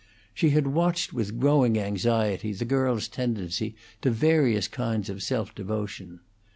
She had watched with growing anxiety the girl's tendency to various kinds of self devotion.